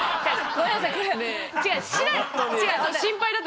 ごめんなさい。